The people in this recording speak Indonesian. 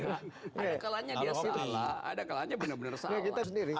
ada kalanya dia salah ada kalanya benar benar salah